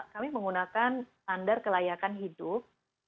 kami menggunakan standar kelayakan hidup